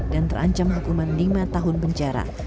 dan terancam hukuman lima tahun penjara